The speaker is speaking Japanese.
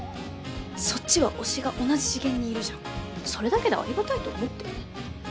そっちは推しが同じ次元にいるじゃんそれだけでありがたいと思ってよね